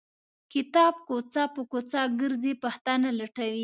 کتاب کوڅه په کوڅه ګرځي پښتانه لټوي.